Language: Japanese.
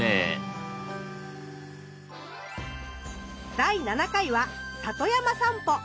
第７回は里山さんぽ。